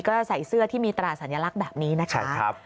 ก็ใส่เสื้อที่มีตราสัญลักษณ์แบบนี้นะคะ